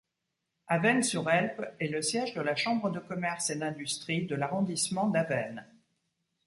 Avesnes-sur-Helpe est le siège de la Chambre de commerce et d'industrie de l'arrondissement d'Avesnes.